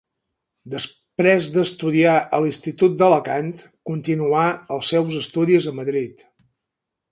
Després d'estudiar a l'Institut d'Alacant continuà els seus estudis a Madrid.